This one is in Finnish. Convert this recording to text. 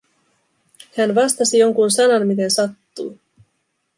Hän vastasi jonkun sanan, miten sattui.